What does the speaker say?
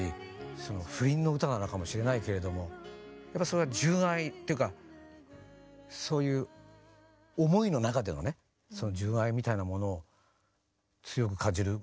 その不倫の歌なのかもしれないけれどもやっぱそれは純愛っていうかそういう思いの中でのね純愛みたいなものを強く感じることで。